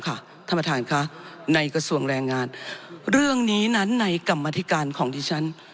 ท่านประธานค่ะในกระทรวงแรงงานเรื่องนี้นั้นในกรรมธิการของดิฉัน